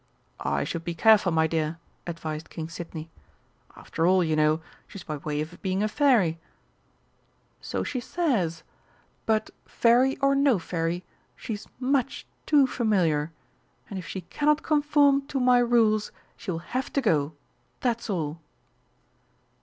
"I should be careful, my dear," advised King Sidney. "After all, you know, she's by way of being a Fairy." "So she says! But, Fairy or no Fairy, she's much too familiar. And if she cannot conform to my rules, she will have to go, that's all."